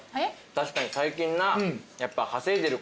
確かに最近な。